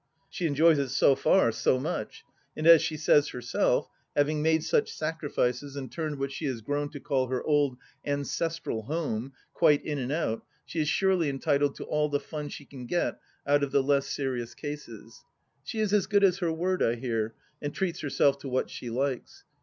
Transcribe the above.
She enjoys it so far, so much ; and as she says herself, having made such sacrifices and turned what she has grown to call her " old ancestral home "(?) quite in and out, she is surely entitled to all the fun she can get out of the less serious cases. She is as good as her word, I hear, and treats herself to what she likes.